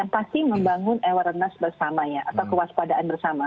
pasti membangun awareness bersamanya atau kewaspadaan bersama